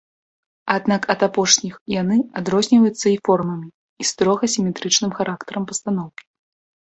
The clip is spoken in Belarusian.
Аднак ад апошніх яны адрозніваюцца і формамі, і строга сіметрычным характарам пастаноўкі.